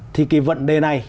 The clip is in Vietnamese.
thì cái vấn đề này